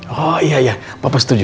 oh iya ya bapak setuju